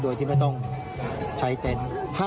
โดยที่ไม่ต้องใช้เต็นต์